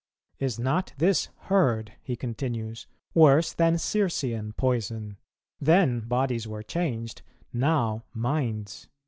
Is not this herd," he continues, "worse than Circean poison? then bodies were changed, now minds."